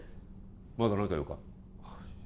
まだ何か用か？